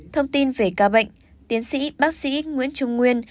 thông tin về ca bệnh tiến sĩ bác sĩ nguyễn trung nguyên